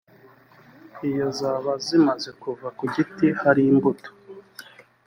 iyo zaba zimaze kuva ku giti hari imbuto